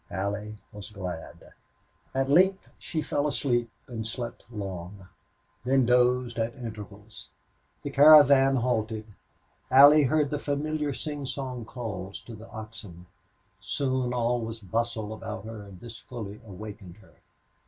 Allie was glad. At length she fell asleep and slept long, then dozed at intervals. The caravan halted. Allie heard the familiar sing song calls to the oxen. Soon all was bustle about her, and this fully awakened her.